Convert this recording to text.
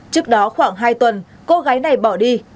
trước đó khoảng hai tuần cô gái này bỏ đi